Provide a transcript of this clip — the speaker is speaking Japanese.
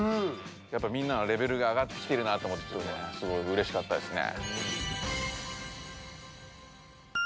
やっぱみんなのレベルが上がってきてるなと思ってすごいうれしかったですね。